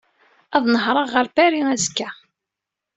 Ad nehreɣ ɣer Paris azekka.